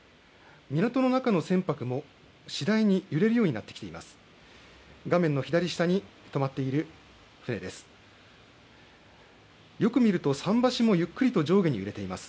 港の中の船舶も次第に揺れるようになってきています。